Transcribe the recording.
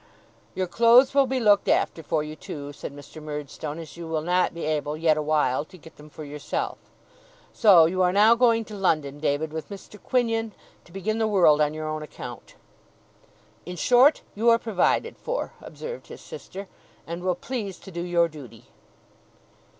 'Your clothes will be looked after for you, too,' said Mr. Murdstone; 'as you will not be able, yet awhile, to get them for yourself. So you are now going to London, David, with Mr. Quinion, to begin the world on your own account.' 'In short, you are provided for,' observed his sister; 'and will please to do your duty.